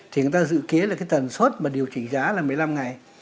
thì người ta dự kiến là cái tần suất mà điều chỉnh giá là một mươi năm ngày